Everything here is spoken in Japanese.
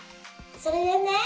それでね